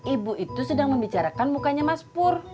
ibu itu sedang membicarakan mukanya mas pur